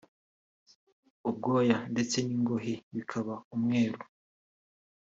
ubwoya ndetse n’ingohi bikaba umweru